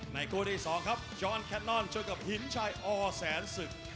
ในคู่ที่สองครับจอห์นแคนนอนเจอกับหินชัยอ๋อแสนสุก